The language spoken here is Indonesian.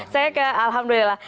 saya ke alhamdulillah